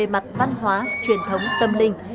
mặt văn hóa truyền thống tâm linh